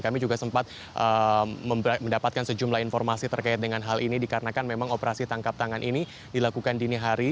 kami juga sempat mendapatkan sejumlah informasi terkait dengan hal ini dikarenakan memang operasi tangkap tangan ini dilakukan dini hari